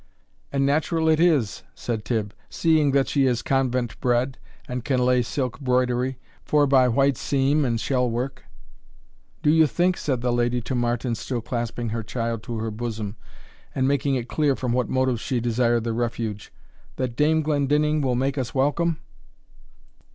"And natural it is," said Tibb, "seeing that she is convent bred, and can lay silk broidery, forby white seam and shell work." "Do you not think," said the lady to Martin, still clasping her child to her bosom and making it clear from what motives she desired the refuge, "that Dame Glendinning will make us welcome?"